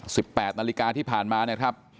สิบแปดนาฬิกาที่ผ่านมาเนี่ยครับ